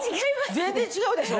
全然違うでしょ？